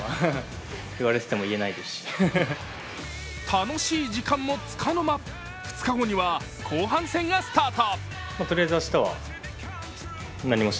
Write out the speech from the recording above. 楽しい時間もつかの間、２日後には後半戦がスタート。